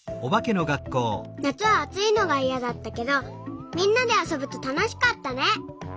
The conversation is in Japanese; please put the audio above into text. なつはあついのがいやだったけどみんなであそぶとたのしかったね。